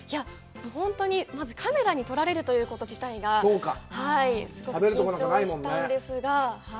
本当にまずカメラに撮られるということ自体が、緊張したんですが。